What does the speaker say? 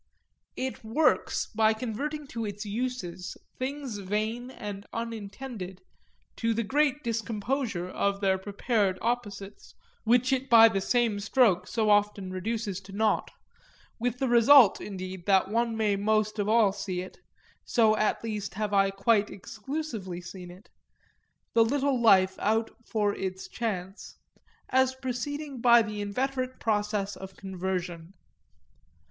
It works by converting to its uses things vain and unintended, to the great discomposure of their prepared opposites, which it by the same stroke so often reduces to naught; with the result indeed that one may most of all see it so at least have I quite exclusively seen it, the little life out for its chance as proceeding by the inveterate process of conversion.